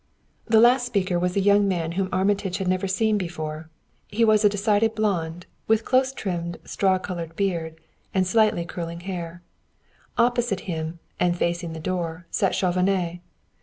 The last speaker was a young man whom Armitage had never seen before; he was a decided blond, with close trimmed straw colored beard and slightly curling hair. Opposite him, and facing the door, sat Chauvenet.